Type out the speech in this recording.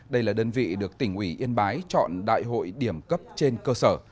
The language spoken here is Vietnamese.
đây là đơn vị được tỉnh ủy yên bái chọn đại hội điểm cấp trên cơ sở